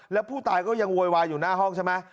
แล้วผู้ตายก็ยังโวยวายอยู่หน้าห้องใช่ไหม